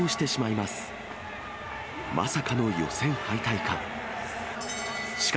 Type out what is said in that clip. まさかの予選敗退か。